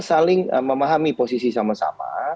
saling memahami posisi sama sama